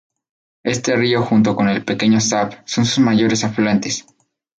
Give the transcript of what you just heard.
Este río junto con el Pequeño Zab, son sus mayores afluentes.